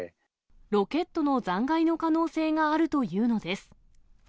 ロケットの残骸の可能性があるというのです。